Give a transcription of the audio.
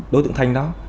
đối tượng thanh đó